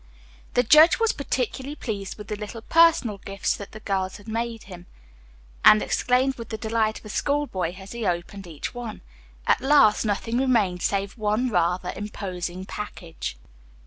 The judge was particularly pleased with the little personal gifts that the girls themselves had made for him, and exclaimed with the delight of a schoolboy as he opened each one. At last nothing remained save one rather imposing package.